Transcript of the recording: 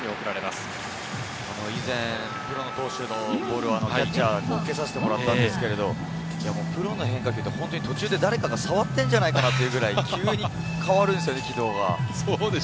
以前、プロの投手のボールを受けさせてもらったんですが、プロの変化球って途中で誰かが触っているんじゃないかというくらい急に変わるんですよね、軌道が。